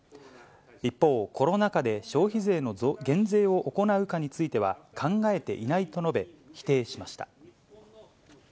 一方、コロナ禍で消費税の減税を行うかについては考えていないと述べ、否定しました。